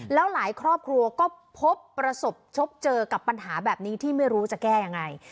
แล้วหลายครอบครัวก็พบประสบชบเจอกับปัญหาแบบนี้ที่ไม่รู้จะแก้ยังไง